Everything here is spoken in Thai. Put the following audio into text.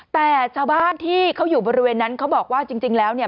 แต่ชาวบ้านที่เขาอยู่บริเวณนั้นเขาบอกว่าจริงแล้วเนี่ย